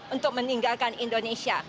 untuk meninggalkan indonesia